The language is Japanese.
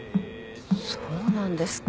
そうなんですか。